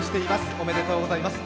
おめでとうございます。